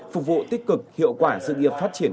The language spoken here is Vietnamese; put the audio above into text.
phục vụ tích cực hiệu quả sự nghiệp phát triển